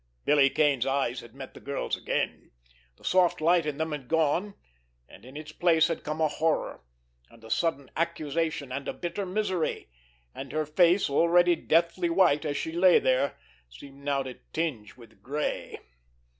Billy Kane's eyes had met the girl's again. The soft light in them had gone, and in its place had come a horror, and sudden accusation, and a bitter misery; and her face, already deathly white as she lay there, seemed now to tinge with gray.